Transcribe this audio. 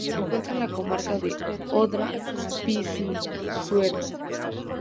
Se encuentra en la comarca de Odra-Pisuerga.